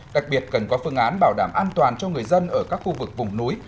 đặc biệt cần có phương án bảo đảm an toàn cho người dân ở các khu vực vùng núi